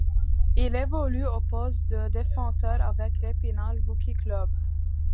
Il évolue au poste de défenseur avec l'Épinal Hockey Club.